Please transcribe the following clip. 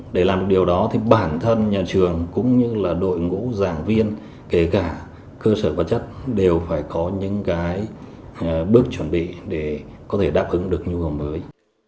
để làm được điều đó thì bản thân nhà trường cũng như là đội ngũ giảng viên kể cả cơ sở vật chất đều phải có những bước chuẩn bị để có thể đáp ứng được nhu hồng mới